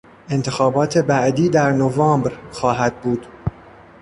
انتخابات بعدی در نوامبر خواهد بود.